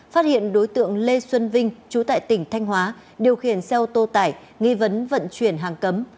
phát hiện đối tượng lê xuân vinh chú tại tỉnh thanh hóa điều khiển xe ô tô tải nghi vấn vận chuyển hàng cấm